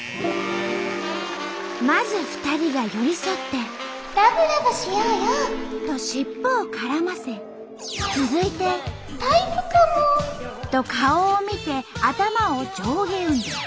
まず２人が寄り添って「ラブラブしようよ」と尻尾を絡ませ続いて「タイプかも」と顔を見て頭を上下運動。